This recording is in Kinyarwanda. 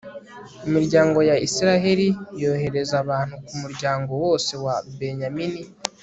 imiryango ya israheli yohereza abantu ku muryango wose wa benyamini